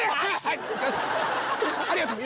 ありがとう。